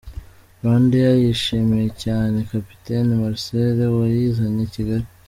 RwandAir yashimiye cyane Kapiteni Marcel wayizanye i Kigali.